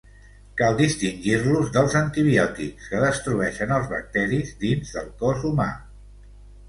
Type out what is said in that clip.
Cal distingir-los dels antibiòtics, que destrueixen els bacteris dins del cos humà.